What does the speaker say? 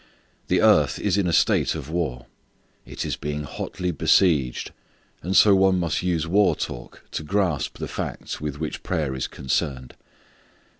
The earth is in a state of war. It is being hotly besieged and so one must use war talk to grasp the facts with which prayer is concerned.